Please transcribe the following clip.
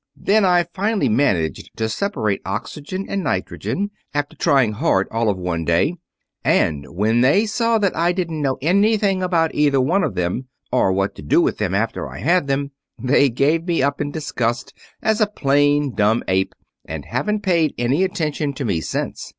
Then I finally managed to separate oxygen and nitrogen, after trying hard all of one day; and when they saw that I didn't know anything about either one of them or what to do with them after I had them, they gave me up in disgust as a plain dumb ape and haven't paid any attention to me since.